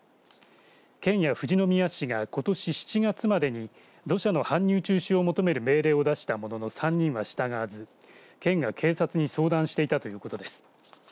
県や富士宮市がことし７月までに土砂の搬入中止を求める命令を出したものの３人は従わず県が警察に相談していたということです。